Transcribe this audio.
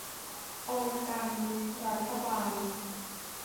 องค์การรัฐบาล